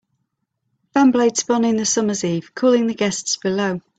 Fan blades spun in the summer's eve, cooling the guests below.